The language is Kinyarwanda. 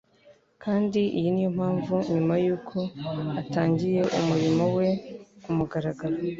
Kandi iyi niyo mpamvu, nyuma y'uko atangiye umurimo we ku mugaragaro,